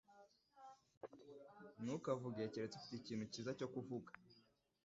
Ntukavuge keretse ufite ikintu cyiza cyo kuvuga.